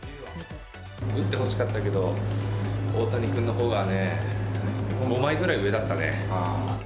打ってほしかったけど、大谷君のほうがね、５枚くらい上だったね。